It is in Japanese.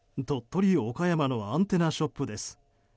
鳥取・岡山のアンテナショップです。